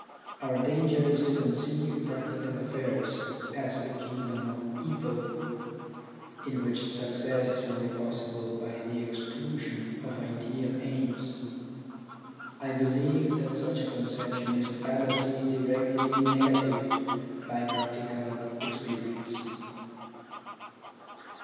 Our danger is to conceive practical affairs as the kingdom of evil, in which success is only possible by the extrusion of ideal aims. I believe that such a conception is a fallacy directly negatived by practical experience.